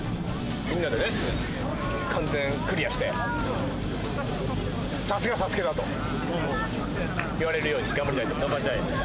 みんなでね完全クリアしてさすがＳＡＳＵＫＥだと言われるように頑張りたいと思います